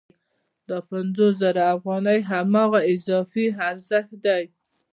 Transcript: دا پنځوس زره افغانۍ هماغه اضافي ارزښت دی